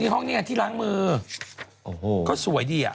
นี่ห้องนี้ที่ล้างมือก็สวยดีอะ